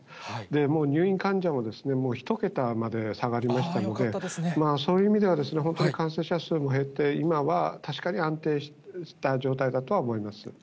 もう入院患者ももう１桁まで下がりましたので、そういう意味では、本当に感染者数も減って、今は確かに安定した状態だとは思います。